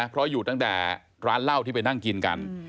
เพราะอยู่ตั้งแต่ร้านเหล้าที่ไปนั่งกินกัน